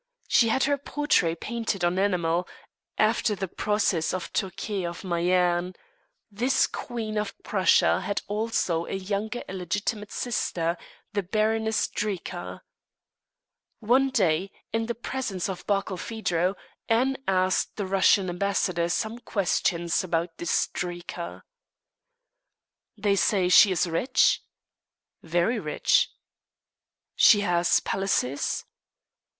She had her portrait painted on enamel, after the process of Turquet of Mayerne. This Queen of Prussia had also a younger illegitimate sister, the Baroness Drika. One day, in the presence of Barkilphedro, Anne asked the Russian ambassador some question about this Drika. "They say she is rich?" "Very rich." "She has palaces?"